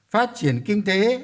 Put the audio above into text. phát triển kinh tế